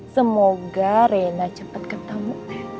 semoga rena cepet ketemu